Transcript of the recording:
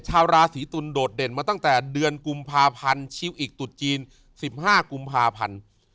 ชาวราศีตุลโดดเด่นมาตั้งแต่เดือนกุมภาพันธ์ชิวอิกตุดจีน๑๕กุมภาพันธ์